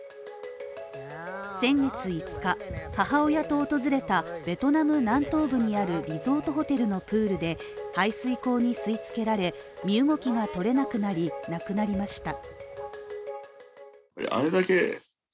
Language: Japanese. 先月５日、母親と訪れたベトナム南東部にあるリゾートホテルのプールで排水口に吸い付けられ身動きがとれなくなり亡くなりました。